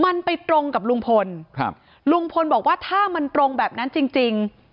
มันไปตรงกับลุงพลครับลุงพลบอกว่าถ้ามันตรงแบบนั้นจริงจริง